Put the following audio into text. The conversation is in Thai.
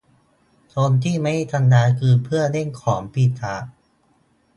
คนที่ไม่ได้ทำงานคือเพื่อนเล่นของปีศาจ